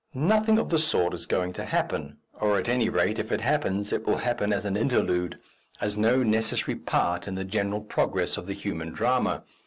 Nothing of the sort is going to happen, or, at any rate, if it happens, it will happen as an interlude, as no necessary part in the general progress of the human drama.